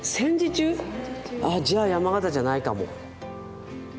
あじゃあ山形じゃないかも。